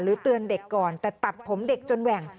เตือนเด็กก่อนแต่ตัดผมเด็กจนแหว่ง